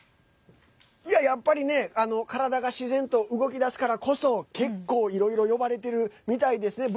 やっぱりね体が自然と動き出すからこそ結構、いろいろ呼ばれているみたいですね。